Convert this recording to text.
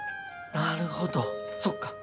なるほどそっか。